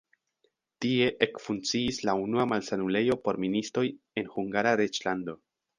Tie ekfunkciis la unua malsanulejo por ministoj en Hungara reĝlando.